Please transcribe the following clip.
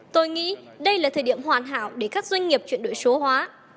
tôi nghĩ đây là thời điểm hoàn hảo để các doanh nghiệp chuyển đổi số hóa